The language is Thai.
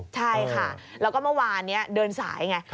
ใช่ค่ะแล้วก็เมื่อวานนี้เดินสายไง